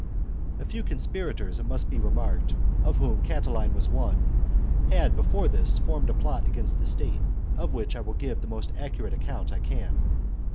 A few conspirators, it must be remarked, of whom chap. XVIIl. Catiline was one, had before this formed a plot against the state, of which I will give the most accurate ac count I can.